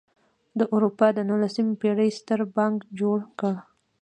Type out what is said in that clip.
د اروپا د نولسمې پېړۍ ستر بانک جوړ کړ.